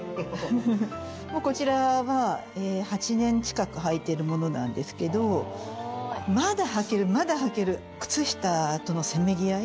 こちらは８年近くはいているものなんですけどまだはける、まだはける靴下とのせめぎ合い？